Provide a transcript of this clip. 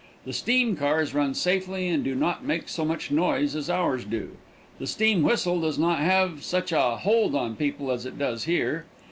The steam cars run safely and do not make so much noise as ours do. The steam whistle does not have such a hold on people as it does here.